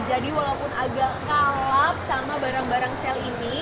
jadi walaupun agak kalap sama barang barang sale ini